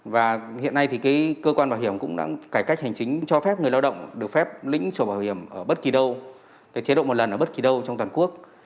và hiện nay thì cơ quan bảo hiểm cũng đã cải cách hành chính cho phép người lao động được phép lĩnh sổ bảo hiểm ở bất kỳ đâu chế độ một lần ở bất kỳ đâu trong toàn quốc